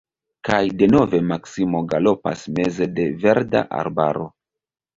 Kaj denove Maksimo galopas meze de verda arbaro!